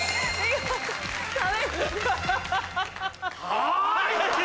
はい！